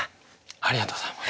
ありがとうございます。